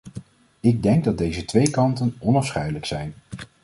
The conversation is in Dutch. Ik denk dat deze twee kanten onafscheidelijk zijn.